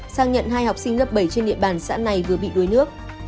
sang nhận hai học sinh lớp bảy trên địa bàn xã này vừa bị đuối nước